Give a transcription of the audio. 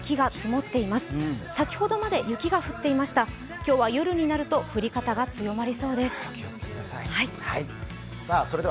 今日は夜になると降り方が強まりそうです。